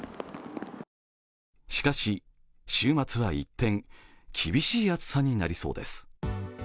しかし、週末は一転、厳しい暑さになりそうです。